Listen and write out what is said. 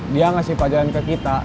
dia ngasih pelajaran ke kita